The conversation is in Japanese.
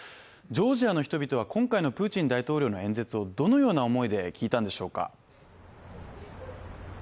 ジョージアの人々は今回のプーチンの演説をどのような思いで聞いたんでしょうか。